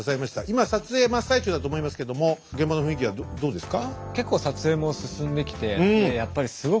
今撮影真っ最中だと思いますけども現場の雰囲気はどうですか？